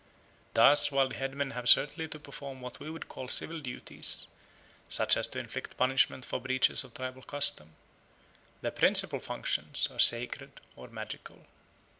Thus while the headmen have certainly to perform what we should call civil duties, such as to inflict punishment for breaches of tribal custom, their principal functions are sacred or magical.